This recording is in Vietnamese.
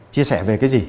chia sẻ về cái gì